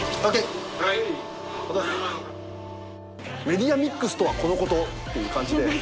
メディアミックスとはこのことっていう感じで。